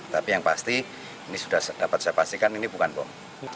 tapi yang pasti ini sudah dapat saya pastikan ini bukan bom